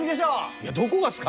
いやどこがすか！